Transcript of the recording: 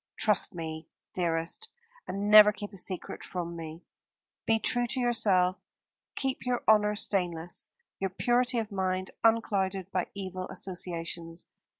Trust me, dearest, and never keep a secret from me. Be true to yourself, keep your honour stainless, your purity of mind unclouded by evil associations.